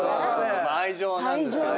愛情なんですけどね。